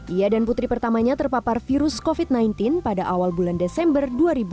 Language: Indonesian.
ia dan putri pertamanya terpapar virus covid sembilan belas pada awal bulan desember dua ribu dua puluh